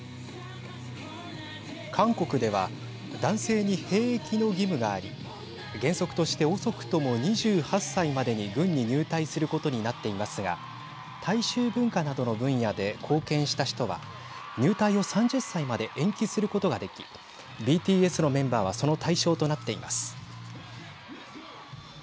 韓国では男性に兵役の義務があり原則として遅くとも２８歳までに軍に入隊することになっていますが大衆文化などの分野で貢献した人は入隊を３０歳まで延期することができＢＴＳのメンバーはその対象となっています。